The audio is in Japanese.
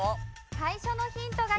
最初のヒントがきます。